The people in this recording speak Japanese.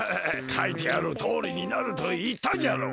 かいてあるとおりになるといったじゃろう。